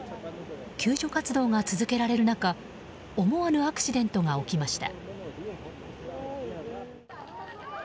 救助活動が続けられる中思わぬアクシデントが起きました。